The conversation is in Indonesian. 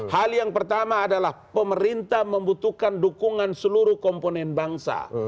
hal yang pertama adalah pemerintah membutuhkan dukungan seluruh komponen bangsa